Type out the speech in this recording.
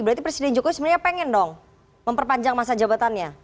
berarti presiden jokowi sebenarnya pengen dong memperpanjang masa jabatannya